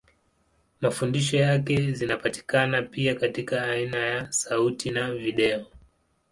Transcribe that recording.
Mafundisho yake zinapatikana pia katika aina ya sauti na video.